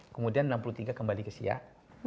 kemudian seribu sembilan ratus enam puluh tiga kembali ke siak